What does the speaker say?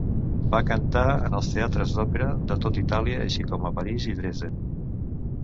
Va cantar en els teatres d'òpera de tot Itàlia, així com a París i Dresden.